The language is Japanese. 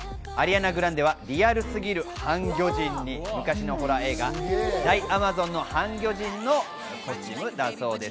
アリアナ・グランデはリアルすぎる半魚人に昔のホラー映画『大アマゾンの半魚人』のマネだそうです。